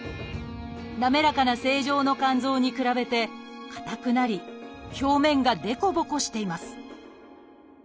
滑らかな正常の肝臓に比べて硬くなり表面が凸凹しています